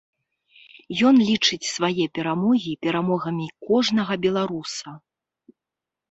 Ён лічыць свае перамогі перамогамі кожнага беларуса.